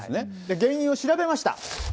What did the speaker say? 原因を調べました。